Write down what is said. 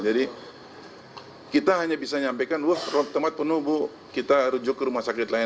jadi kita hanya bisa menyampaikan tempat penuh bu kita rujuk ke rumah sakit lain